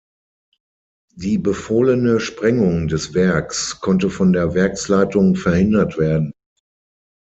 Die befohlene Sprengung des Werks konnte von der Werksleitung verhindert werden.